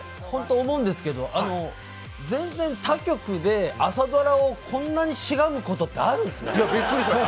ホント思うんですけど全然他局で朝ドラをこんなにしがむことってあるんですね。